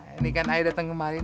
ini kan ayu dateng kemari